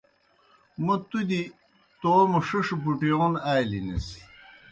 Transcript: موں تُوْ دیْ توموْ ݜِݜ بُٹِیون آلیْنِس۔